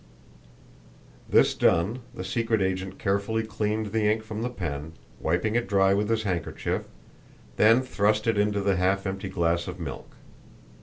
This done the secret agent carefully cleaned the ink from the pen, wiping it dry with his handkerchief, then thrust it into the half empty glass of milk.